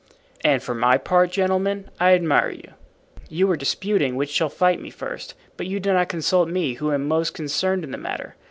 "And for my part, gentlemen, I admire you. You are disputing which shall fight me first, but you do not consult me who am most concerned in the matter.